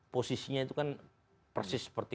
posisinya itu kan persis seperti